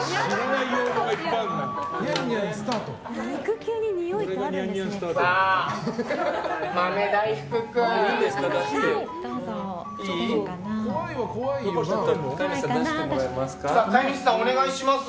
肉球ににおいってあるんですね。